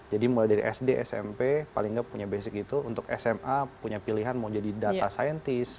jadi mulai dari sd smp paling tidak punya basic itu untuk sma punya pilihan mau jadi data scientist